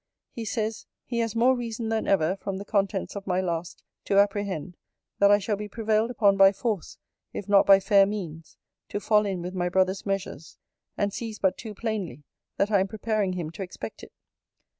He says, 'He has more reason than ever, from the contents of my last, to apprehend, that I shall be prevailed upon by force, if not by fair means, to fall in with my brother's measures; and sees but too plainly, that I am preparing him to expect it.